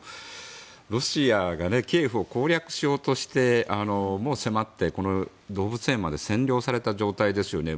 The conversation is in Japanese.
ロシアがキーウを攻略しようとしてもう迫って、動物園まで占領された状態ですよね。